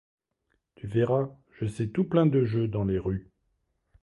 Tu verras, je sais tout plein de jeux, dans les rues.